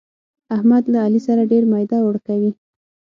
احمد له علي سره ډېر ميده اوړه کوي.